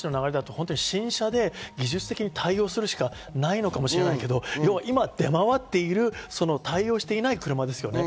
今までの話の流れだと新車で技術的に対応するしかないのかもしれないけど、今、出回っている、対応していない車ですよね。